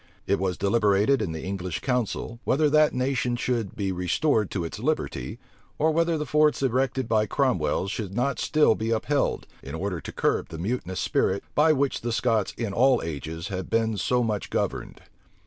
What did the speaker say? It was deliberated in the English council, whether that nation should be restored to its liberty, or whether the forts erected by Cromwell should not still be upheld, in order to curb the mutinous spirit by which the Scots in all ages had been so much governed.